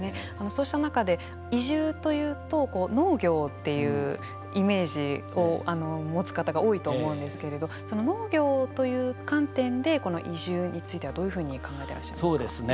そうした中で、移住というと農業っていうイメージを持つ方が多いと思うんですけれどその農業という観点でこの移住についてはどういうふうに考えてらっしゃいますか。